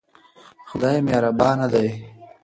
خدای مهربان دی.